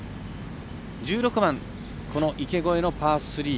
１６番、池越えのパー３。